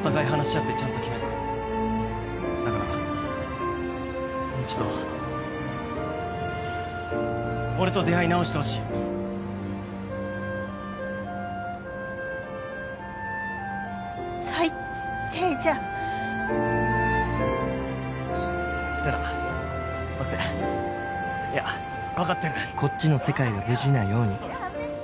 お互い話し合ってちゃんと決めただからもう一度俺と出会い直してほしい最っ低じゃんちょっ玲奈待っていや「こっちの世界が無事なように」